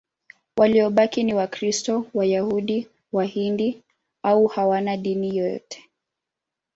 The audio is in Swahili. Waliobaki ni Wakristo, Wayahudi, Wahindu au hawana dini yote.